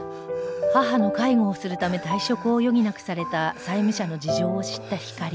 母の介護をするため退職を余儀なくされた債務者の事情を知ったひかり